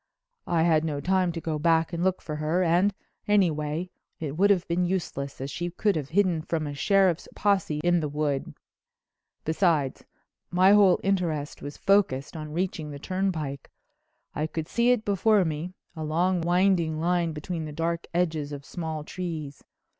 "I had no time to go back and look for her, and, anyway, it would have been useless, as she could have hidden from a sheriff's posse in the wood. Besides, my whole interest was focused on reaching the turnpike. I could see it before me, a long winding line between the dark edges of small trees.